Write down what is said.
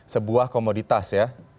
sebuah komoditas ya